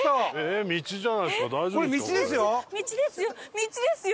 道ですよ！